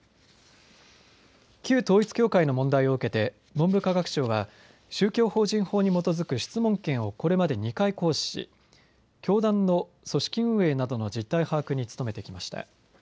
旧統一教会の問題を受けて文部科学省は宗教法人法に基づく質問権をこれまで２回、行使し教団の組織運営などの実態把握に努めてきました。